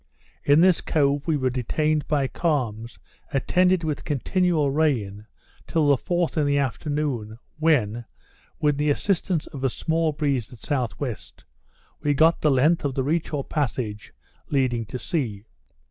In this cove we were detained by calms, attended with continual rain, till the 4th in the afternoon, when, with the assistance of a small breeze at south west, we got the length of the reach or passage leading to sea.